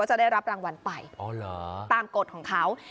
จะได้รับรางวัลไปตามกฎของเขา